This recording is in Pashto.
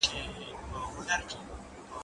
زه پرون کتابتون ته وم